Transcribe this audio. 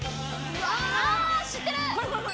知ってる！